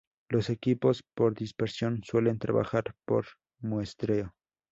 Los equipos por dispersión suelen trabajar por muestreo.